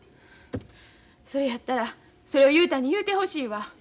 それやったらそれを雄太に言うてほしいわ。